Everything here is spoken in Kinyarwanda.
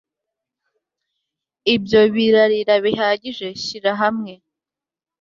Ibyo birarira bihagije Shyira hamwe